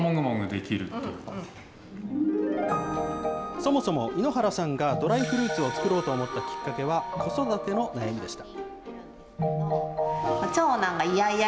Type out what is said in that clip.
そもそも、猪原さんがドライフルーツを作ろうと思ったきっかけは、子育ての悩みでした。